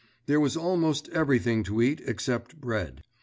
There was almost everything to eat except bread.